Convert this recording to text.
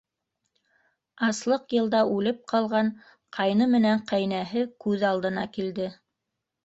Аслыҡ йылда үлеп ҡалган ҡайны менән ҡәйнәһе күҙ алдына килде.